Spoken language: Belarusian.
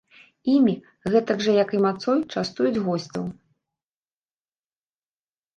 Імі, гэтак жа, як і мацой, частуюць госцяў.